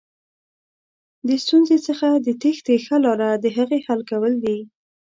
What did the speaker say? د ستونزې څخه د تېښتې ښه لاره دهغې حل کول دي.